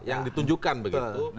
yang ditunjukkan begitu